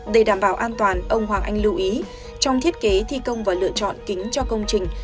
để đảm bảo an toàn ông hoàng anh lưu ý trong thiết kế thi công và lựa chọn kính cho công trình